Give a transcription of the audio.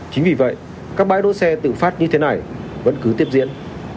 chính vì vậy các bãi đỗ xe tự phát như thế này vẫn cứ tiếp diễn